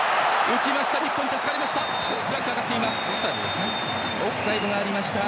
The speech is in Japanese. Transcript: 浮きました、日本助かりました。